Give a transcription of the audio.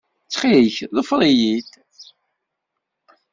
Ttxil-k, ḍfer-iyi-d.